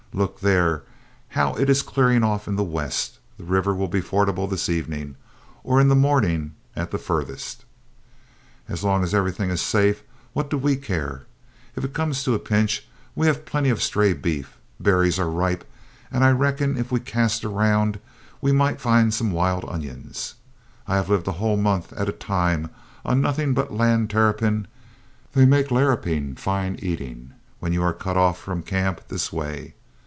Look there how it is clearing off in the west; the river will be fordable this evening or in the morning at the furthest. As long as everything is safe, what do we care? If it comes to a pinch, we have plenty of stray beef; berries are ripe, and I reckon if we cast around we might find some wild onions. I have lived a whole month at a time on nothing but land terrapin; they make larruping fine eating when you are cut off from camp this way.